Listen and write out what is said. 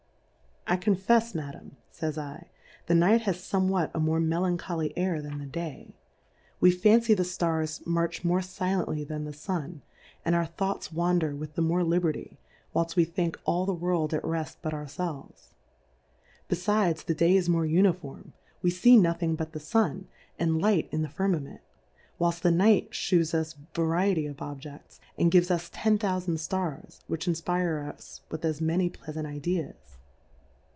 I confefs, Madam, f/ys 7, the Night has fomewhat a more Melancholy Air than the Day 5 we fan B J cy 6 Difcourfes on the cy the Stars march more filently than 'the Sun^ and our Thoughts wander with the more liberty, whilft we think all the World at reft but our felves : Befides, the Day is more uniform ; we fee nothing but the Sun, and Light in the Firmament ; whilft the Night Ihews us variety of Objefts, and gives us ten Thoufand Stars, which infpire us with as many pleafant Ideas.